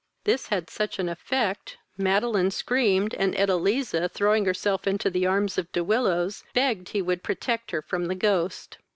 This had such an effect, Madeline screamed, and Edeliza, throwing herself into the arms of De Willows, begged he would protect her from the ghost.